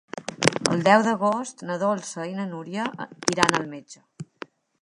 El deu d'agost na Dolça i na Núria iran al metge.